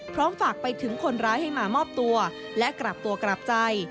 ฝากไปถึงคนร้ายให้มามอบตัวและกลับตัวกลับใจ